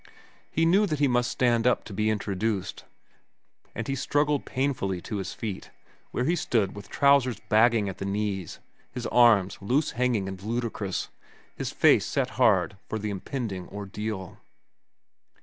He knew that he must stand up to be introduced, and he struggled painfully to his feet, where he stood with trousers bagging at the knees, his arms loose hanging and ludicrous, his face set hard for the impending ordeal.